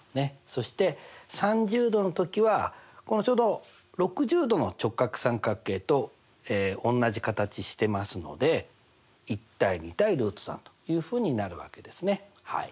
そして３０°の時はちょうど６０°の直角三角形とおんなじ形してますので１：２：ルート３というふうになるわけですね。